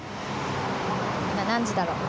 今何時だろう？